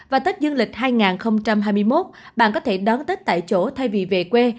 và tết dương lịch hai nghìn hai mươi một bạn có thể đón tết tại chỗ thay vì về quê